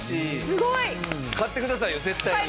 すごい！買ってくださいよ絶対に。